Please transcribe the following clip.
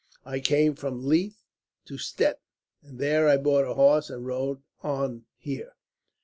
I came from Leith to Stettin, and there I bought a horse and rode on here."